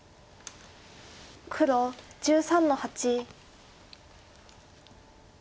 黒１３の八。